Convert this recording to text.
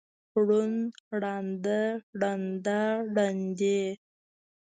ړوند، ړانده، ړنده، ړندې.